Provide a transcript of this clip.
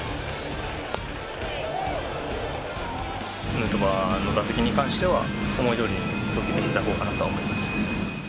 ヌートバーの打席に関しては、思いどおりに投球できたほうかなと思います。